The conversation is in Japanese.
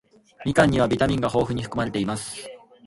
みかんにはビタミンが豊富に含まれています。